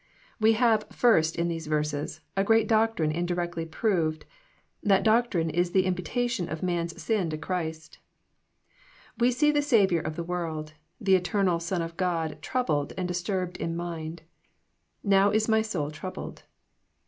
We have, first, in these verses, a great doctrine indirectly fyroved. That doctrine is the imputation of man's sin to Christ. We see the Saviour of the world, the eternal Son of God troubled and disturbed in mind: ''Now is my soul troubled."